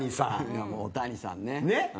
中居：大谷さんね。